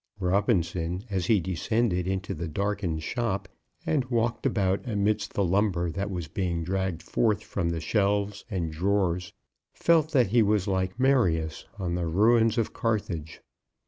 Robinson, as he descended into the darkened shop, and walked about amidst the lumber that was being dragged forth from the shelves and drawers, felt that he was like Marius on the ruins of Carthage.